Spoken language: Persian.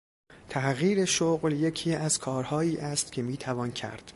تغییر شغل یکی از کارهایی است که میتوان کرد.